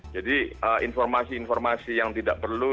informasi informasi yang tidak perlu